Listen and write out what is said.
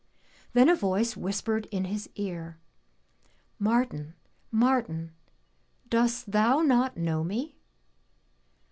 Then a voice whispered in his ear, "Martin, Martin, does thou not know me?'